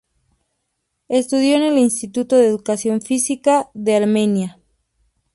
Estudió en el Instituto de educación física de Armenia.